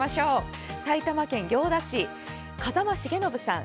埼玉県行田市、風間重信さん。